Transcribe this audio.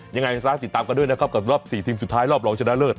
ยังไงซะติดตามกันด้วยนะครับกับรอบ๔ทีมสุดท้ายรอบรองชนะเลิศ